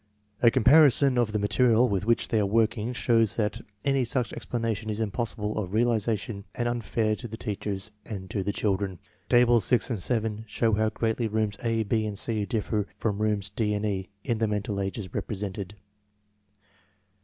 A comparison of the material with which they are working shows that any such expectation is impossible of realization and unfair to the teachers and to the children. Tables 6 and 7 show how greatly rooms A, B, and C diffei from rooms D and E in the mental ages represented.